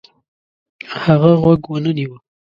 هغه غوږ ونه نیوه.